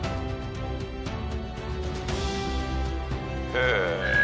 へえ。